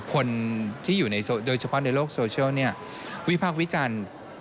คนที่อยู่โดยเฉพาะในโลกโซเชียลวิพากษ์วิจารณ์